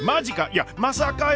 いやまさかやー！